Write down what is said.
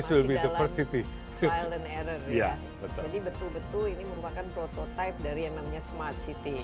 jadi betul betul ini merupakan prototipe dari yang namanya smart city